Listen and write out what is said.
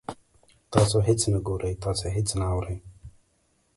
تاسو هیڅ نه ګورئ، تاسو هیڅ نه اورئ